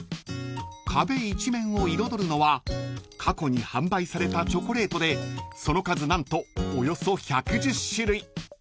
［壁一面を彩るのは過去に販売されたチョコレートでその数何とおよそ１１０種類］